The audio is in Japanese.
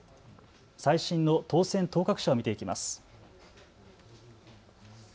最新の当選当確者を見ていきます。